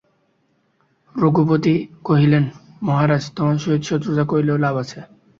রঘুপতি কহিলেন, মহারাজ, তোমার সহিত শত্রুতা করিলেও লাভ আছে।